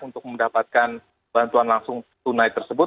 untuk mendapatkan bantuan langsung tunai tersebut